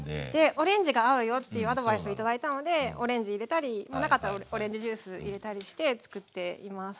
オレンジが合うよっていうアドバイスを頂いたのでオレンジ入れたりなかったらオレンジジュース入れたりしてつくっています。